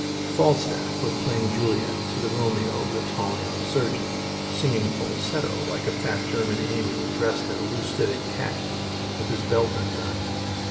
Falstaff was playing Juliet to the Romeo of the tall young surgeon, singing falsetto like a fat German angel dressed in loose fitting khaki, with his belt undone.